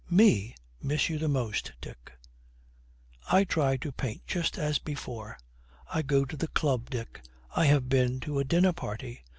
'Me miss you most? Dick, I try to paint just as before. I go to the club. Dick, I have been to a dinner party.